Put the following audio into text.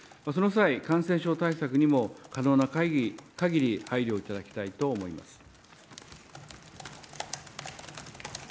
その際、感染症対策にも可能な限り配慮いただきたいと思います。